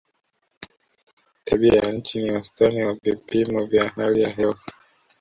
tabia ya nchi ni wastani wa vipimo vya hali ya hewa